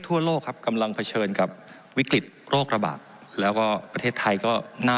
ทั่วโลกครับกำลังเผชิญกับวิกฤตโรคระบาดแล้วก็ประเทศไทยก็น่า